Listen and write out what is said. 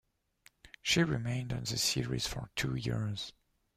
She remained on the series for two years.